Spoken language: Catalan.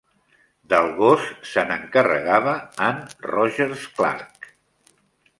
Del gos se n'encarregava Anne Rogers Clark.